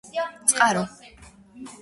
წყარო